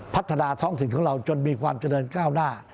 พัฒนาท้องถิ่นของเราจนมีความเจริญก้าวหน้า